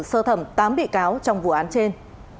sơ thẩm tám bị cáo trong vụ án trên